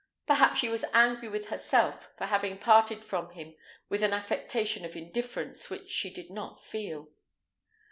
Perhaps she was angry with herself for having parted from him with an affectation of indifference which she did not feel.